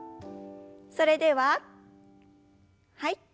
それでははい。